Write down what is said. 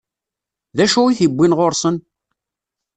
D acu i t-iwwin ɣur-sen?